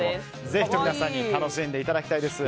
ぜひとも皆さんに楽しんでいただきたいです。